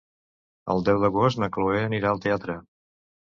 El deu d'agost na Chloé anirà al teatre.